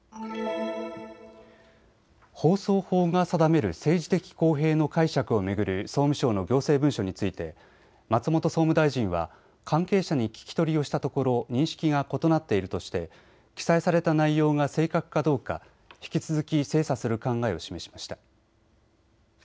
放送法が定める政治的公平の解釈を巡る総務省の行政文書について松本総務大臣は関係者に聞き取りをしたところ認識が異なっているとして記載された内容が正確かどうか引き続き精査する考えを示しました。